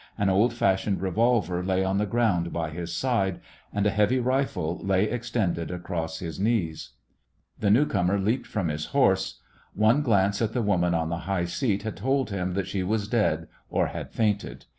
An old fashioned revolver lay on the ground by his side and a heavy rifle lay extended across his knees. The newcomer leaped from his horse. One glance at the woman on the high seat had told him that she was dead or had fainted.